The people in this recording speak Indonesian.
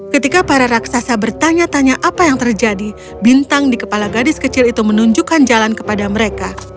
ketika para raksasa bertanya tanya apa yang terjadi bintang di kepala gadis kecil itu menunjukkan jalan kepada mereka